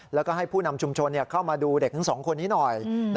แล้วก็ให้ผู้นำชุมชนเข้ามาดูเด็กทั้งสองคนนี้หน่อย